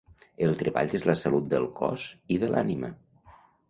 El treball és la salut del cos i de l'ànima.